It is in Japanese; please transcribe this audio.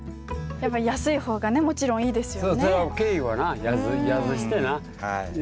やっぱ安い方がねもちろんいいですよね。